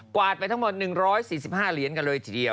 วาดไปทั้งหมด๑๔๕เหรียญกันเลยทีเดียว